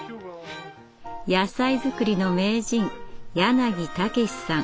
野菜作りの名人柳武さん